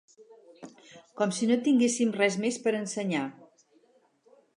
Com si no tinguessin res més per ensenyar.